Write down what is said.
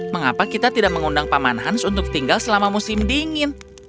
mengapa kita tidak mengundang paman hans untuk tinggal selama musim dingin